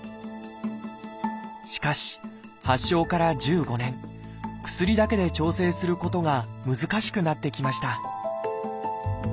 しかし発症から１５年薬だけで調整することが難しくなってきました